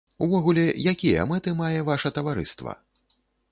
Увогуле, якія мэты мае ваша таварыства?